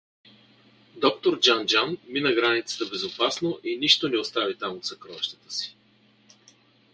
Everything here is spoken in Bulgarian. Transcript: Доктор Джан-Джан мина границата безопасно и нищо не остави там от съкровищата си.